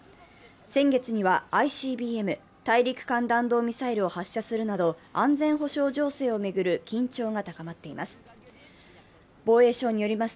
先月にはＩＣＢＭ＝大陸間弾道ミサイルを発射するなど、安全保障情勢を巡る緊張が高まっています。